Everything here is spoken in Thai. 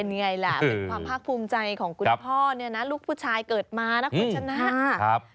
เป็นไงล่ะเป็นความพรากภูมิใจของคุณพ่อลูกผู้ชายเกิดมาเนอะต้นชนะ